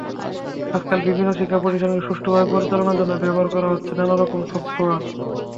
আজকাল বিভিন্ন শিক্ষাপ্রতিষ্ঠানকে সুষ্ঠুভাবে পরিচালনার জন্য ব্যবহার করা হচ্ছে নানা রকম সফটওয়্যার।